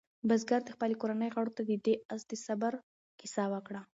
بزګر د خپلې کورنۍ غړو ته د دې آس د صبر کیسه وکړه.